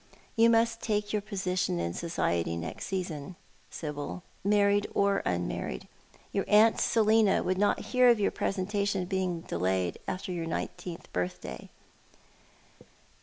You must take your position in society next season, Sibyl, married or unmarried. Your aunt Selina would not hear of your presentation being delayed after your nineteenth birthday."